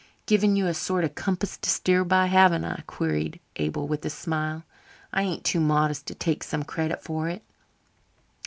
"Given you a sort of compass to steer by, haven't I?" queried Abel with a smile. "I ain't too modest to take some credit for it.